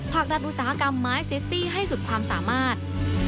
ดันอุตสาหกรรมไม้ซิสตี้ให้สุดความสามารถ